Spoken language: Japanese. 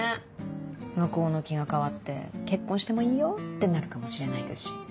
向こうの気が変わって結婚してもいいよってなるかもしれないですし。